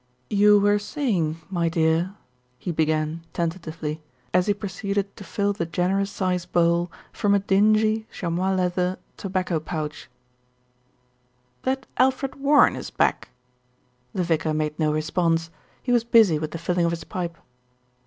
"You were saying, my dear," he began tentatively, as he proceeded to fill the generous size bowl from a dingy chamois leather tobacco pouch. 60 THE RETURN OF ALFRED "That Alfred Warren is back." The vicar made no response, he was busy with the filling of his pipe.